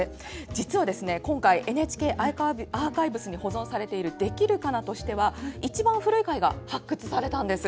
実は今回、ＮＨＫアーカイブスに保存されている「できるかな」としては一番古い回が発掘されたんです。